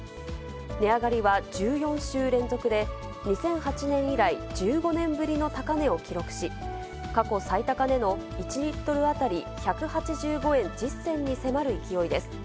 値上がりは１４週連続で、２００８年以来、１５年ぶりの高値を記録し、過去最高値の１リットル当たり１８５円１０銭に迫る勢いです。